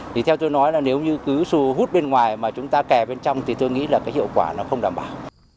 thì theo tôi nói là nếu như cứ hút bên ngoài mà chúng ta kè bên trong thì tôi nghĩ là cái hiệu quả nó không đảm bảo